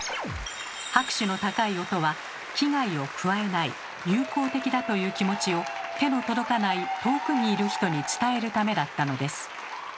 拍手の高い音は危害を加えない「友好的だ」という気持ちを手の届かない遠くにいる人に伝えるためだったのです。